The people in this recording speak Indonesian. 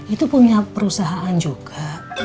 itu punya perusahaan juga